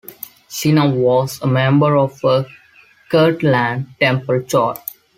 Zina was a member of the Kirtland Temple Choir.